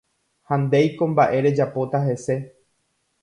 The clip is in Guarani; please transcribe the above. Ha ndéiko mba'e rejapóta hese.